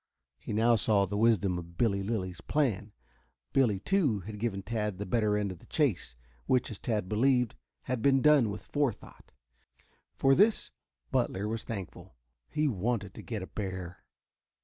He now saw the wisdom of Billy Lilly's plan. Billy, too, had given Tad the better end of the chase, which, as Tad believed, had been done with fore thought. For this Butler was thankful. He wanted to get a bear.